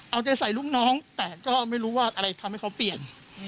เอาใจใส่ลูกน้องแต่ก็ไม่รู้ว่าอะไรทำให้เขาเปลี่ยน